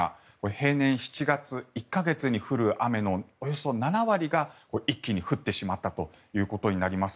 平年７月１か月に降る雨のおよそ７割が一気に降ってしまったということになります。